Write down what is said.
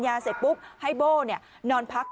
ไม่รู้อะไรกับใคร